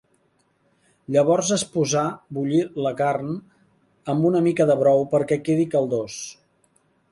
Llavors es posa bullir la carn amb una mica de brou perquè quedi caldós.